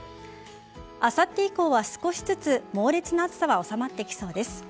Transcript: あさって以降は、少しずつ猛烈な暑さは収まってきそうです。